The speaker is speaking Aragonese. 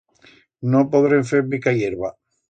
No podrem fer mica hierba.